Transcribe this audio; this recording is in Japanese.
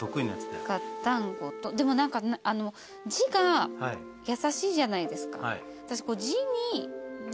でも何か字が優しいじゃないですか。